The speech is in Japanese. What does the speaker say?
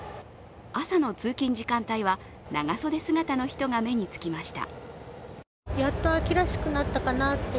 朝の通勤時間帯は、長袖姿の人が目につきました。